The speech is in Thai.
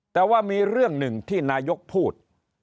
แต่ว่ามีเรื่องหนึ่งที่นายกพูด